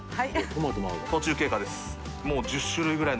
はい。